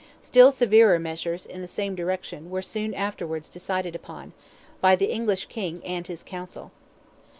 Still severer measures, in the same direction, were soon afterwards decided upon, by the English King and his council.